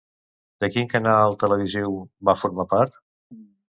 De quin canal televisiu va formar part?